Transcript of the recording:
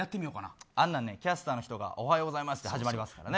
キャスターの人がおはようございますって始まりますからね。